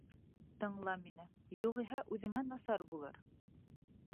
Тыңла мине, юғиһә үҙеңә насар булыр!